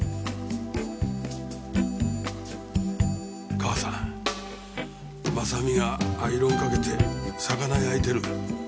母さん真実がアイロンかけて魚焼いてる。